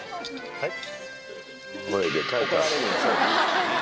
はい？